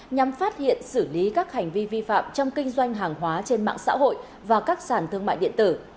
nhằm phát hiện xử lý các hành vi vi phạm trong kinh doanh hàng hóa trên mạng xã hội và các sản thương mại điện tử